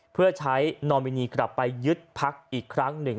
เพื่อใช้นอมินีกลับไปยึดพักอีกครั้งหนึ่ง